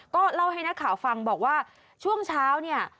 ก็เล่าให้นักข่าวฟังบอกว่าช่วงเช้าเนี่ย